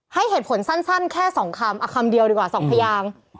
ให้เหตุผลสั้นแค่๒คำคำเดียวดีกว่า๒พยาง